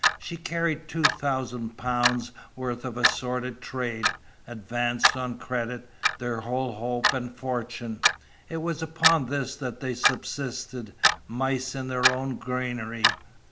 She carried two thousand pounds' worth of assorted trade, advanced on credit, their whole hope and fortune. It was upon this that they subsisted mice in their own granary.